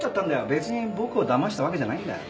別に僕をだましたわけじゃないんだよ。